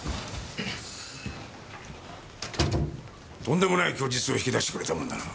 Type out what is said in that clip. とんでもない供述を引き出してくれたもんだな。